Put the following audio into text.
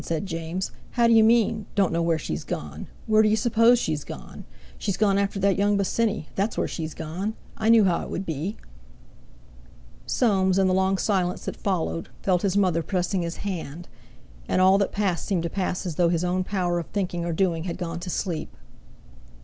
said James. "How d'you mean, don't know where she's gone? Where d'you suppose she's gone? She's gone after that young Bosinney, that's where she's gone. I knew how it would be." Soames, in the long silence that followed, felt his mother pressing his hand. And all that passed seemed to pass as though his own power of thinking or doing had gone to sleep.